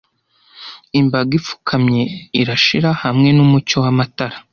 Imbaga ipfukamye irashira hamwe numucyo wamatara.